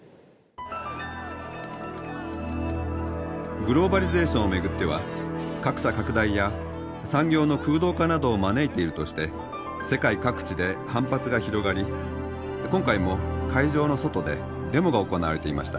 グローバリゼーションを巡っては格差拡大や産業の空洞化などを招いているとして世界各地で反発が広がり今回も会場の外でデモが行われていました。